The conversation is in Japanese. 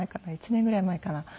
１年ぐらい前かな？